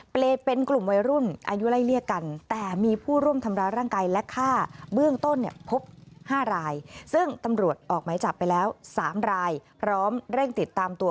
เปลตเป็นกลุ่มวัยรุ่นอายุไร่เรียกกันแต่มีผู้ร่วมทำร้าล่างกายและฆ่า